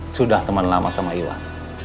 sudah teman lama sama iwan